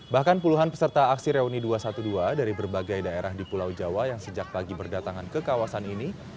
bahkan puluhan peserta aksi reuni dua ratus dua belas dari berbagai daerah di pulau jawa yang sejak pagi berdatangan ke kawasan ini